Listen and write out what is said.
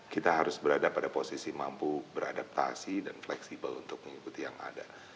kita harus berada pada posisi mampu beradaptasi dan fleksibel untuk mengikuti yang ada